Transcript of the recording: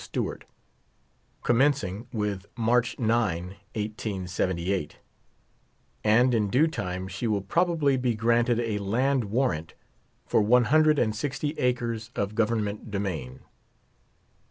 Stewart,, commencing with March 9, 1878 ; and in due time she will probably be granted a land warrant for one hundred and sixty acres of Government domain.